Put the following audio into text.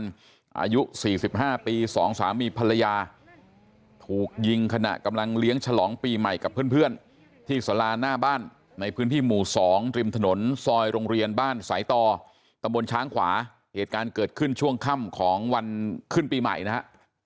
ที่สลานหน้าบ้านในพื้นที่หมู่๒ตริมถนนซอยโรงเรียนบ้านสายต่อตะบนช้างขวาเหตุการณ์เกิดขึ้นช่วงค่ำของวันขึ้นปีใหม่นะฮะ